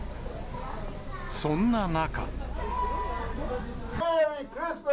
そんな中。